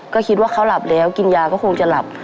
ก็คิดว่าเขาหลับแล้วกินยาก็คงจะหลับ